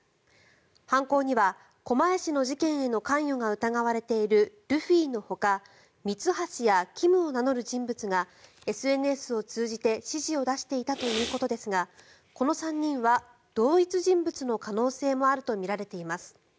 犯行には狛江市の事件への関与が疑われているルフィのほかミツハシやキムを名乗る人物がＳＮＳを通じて指示を出していたということですがこの３人は同一人物の可能性もあるとみられています。